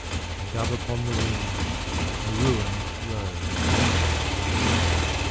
A dove upon the wing, a ruined rose.